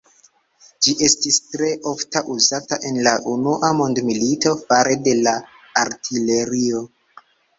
Ĝi estis tre ofta uzata en la unua mondmilito fare de la artilerio.